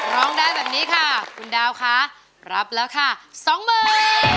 ร้องได้แบบนี้ค่ะคุณดาวค่ะรับแล้วค่ะสองหมื่น